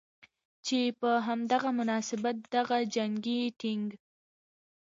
چې په هم دغه مناسبت دغه جنګي ټېنک